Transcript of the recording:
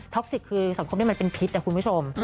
สิกคือสังคมนี้มันเป็นพิษนะคุณผู้ชม